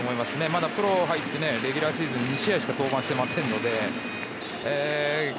まだプロに入ってレギュラーシーズンで２試合しか登板していませんので。